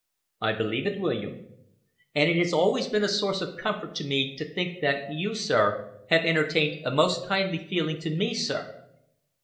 "I believe it, William." "And it has always been a source of comfort to me to think that you, sir, have entertained a most kindly feeling to me, sir."